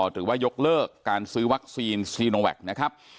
หรือว่ายกเลิกการซื้อวัคซีนซีโนแวคนะครับ